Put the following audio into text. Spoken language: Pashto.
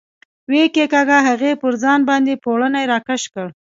ویې کېکاږه، هغې پر ځان باندې پوړنی را کش کړ.